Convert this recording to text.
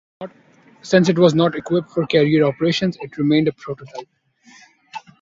Since it was not equipped for carrier operations, it remained a prototype.